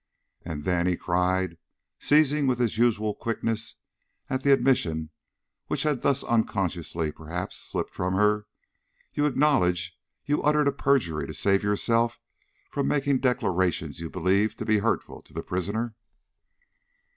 "Ah, then," he cried, seizing with his usual quickness at the admission which had thus unconsciously, perhaps, slipped from her, "you acknowledge you uttered a perjury to save yourself from making declarations you believed to be hurtful to the prisoner?"